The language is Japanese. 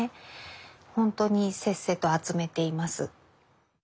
ほんとにせっせと集めています。